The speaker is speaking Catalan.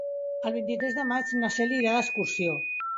El vint-i-tres de maig na Cel irà d'excursió.